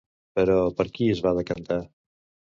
Però, per qui es va decantar?